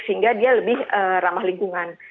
sehingga dia lebih ramah lingkungan